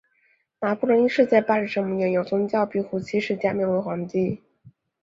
拿破仑一世在巴黎圣母院由教宗庇护七世加冕为皇帝。